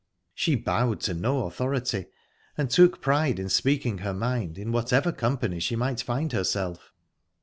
She bowed to no authority, and took pride in speaking her mind in whatever company she might find herself.